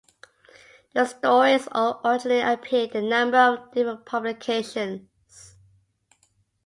The stories all originally appeared in a number of different publications.